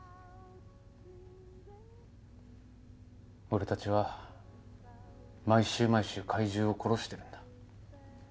俺たちは毎週毎週怪獣を殺してるんだ。